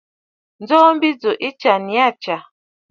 Ǹjoo mbi jù ɨ tsyà nii aa tsyà.